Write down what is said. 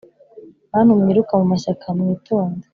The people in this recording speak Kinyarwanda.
bantu mwiruka mu mashyaka mwitonde